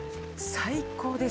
最高です。